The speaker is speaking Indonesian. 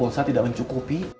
pulsa tidak mencukupi